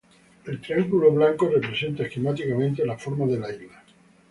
El triángulo blanco representa esquemáticamente la forma de la isla.